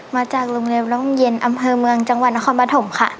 มาจากโรงเรียนร่องเย็นอำเภอเมืองจังหวัดนครปฐมค่ะ